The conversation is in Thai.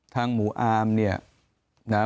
ทางหมู่อามนี่นะ